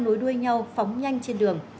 nối đuôi nhau phóng nhanh trên đường